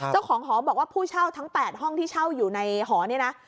เจ้าของหอบอกว่าผู้เช่าทั้ง๘ห้องที่เช่าอยู่ในหอนี่นะ